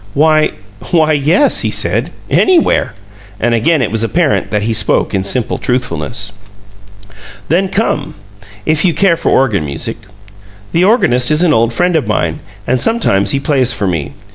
"Why why yes," he said. "Anywhere!" And again it was apparent that he spoke in simple truthfulness. "Then come if you care for organ music. The organist is an old friend of mine, and sometimes he plays for me.